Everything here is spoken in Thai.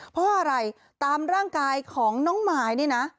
เพราะอะไรตามร่างกายของน้องมายนี่นะ